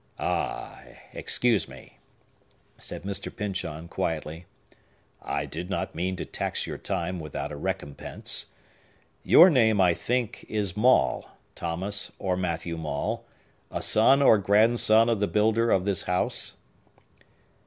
"Ah! excuse me," said Mr. Pyncheon quietly. "I did not mean to tax your time without a recompense. Your name, I think, is Maule,—Thomas or Matthew Maule,—a son or grandson of the builder of this house?"